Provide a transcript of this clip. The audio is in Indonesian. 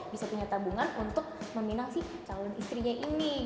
bisa punya tabungan untuk meminang si calon istrinya ini